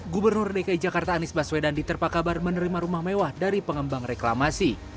gubernur dki jakarta anies baswedan diterpakabar menerima rumah mewah dari pengembang reklamasi